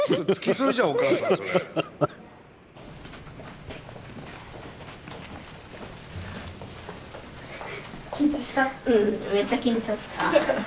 うんめっちゃ緊張した。